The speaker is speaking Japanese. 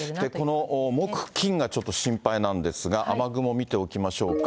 この木、金がちょっと心配なんですが、雨雲見ておきましょうか。